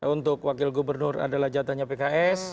untuk wakil gubernur adalah jatahnya pks